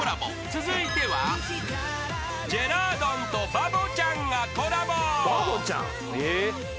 ［続いてはジェラードンとバボちゃんがコラボ］